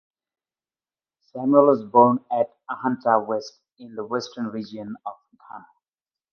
Samuel was born at Ahanta West in the Western Region of Ghana.